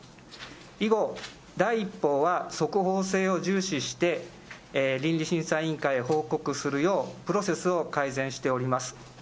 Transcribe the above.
以後、第一報は速報性を重視して、倫理審査委員会へ報告するよう、プロセスを改善しております。